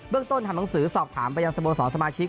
เบื้องต้นทำหนังสือสอบถามไปยังสมสอสสมาชิก